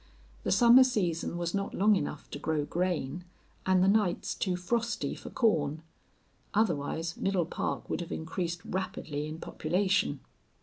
The summer season was not long enough to grow grain, and the nights too frosty for corn; otherwise Middle Park would have increased rapidly in population.